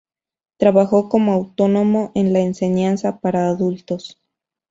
Trabajó como autónomo en la enseñanza para adultos.